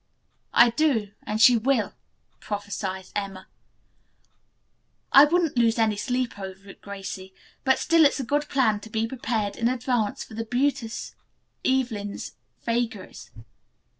"I do, and she will," prophesied Emma. "I wouldn't lose any sleep over it, Gracie, but still it's a good plan to be prepared in advance for the beauteous Evelyn's vagaries.